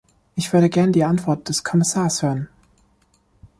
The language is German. Ich würde gern die Antwort des Kommissars hören.